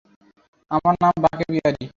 আমার নাম বাঁকে বিহারি।